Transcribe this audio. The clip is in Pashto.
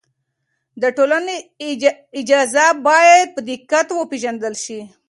د ټولنې اجزا باید په دقت وپېژندل شي.